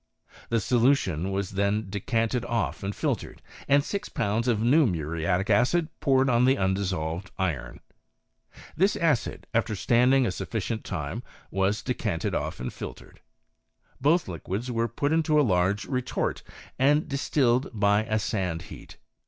The solution was then decanted off, and filtered, and six pounds of new muriatic acid poured on the undissolved iron. This acid, after standing a sufficient time, was decanted off, and filtered. Both liquids were ppt into a large retort, and distilled by a sand heat.